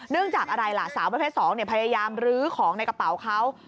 จากอะไรล่ะสาวประเภท๒พยายามลื้อของในกระเป๋าเขา